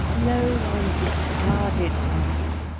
Lone and discarded one